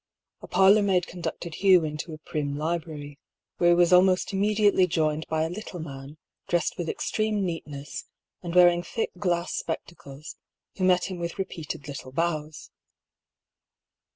A parlourmaid conducted Hugh into a prim library, where he was almost immediately joined by a little man, dressed with extreme neatness, and wear ing thick glass spectacles, who met him with repeated little bows.